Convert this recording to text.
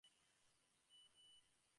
ধীরে ধীরে উহা ছাড়িয়া দাও।